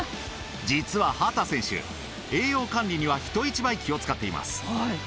実は畑選手栄養管理には人一倍気を使っています。